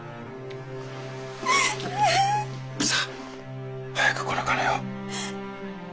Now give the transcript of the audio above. さあ早くこの金を。